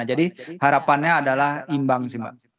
jadi harapannya adalah imbang sih mbak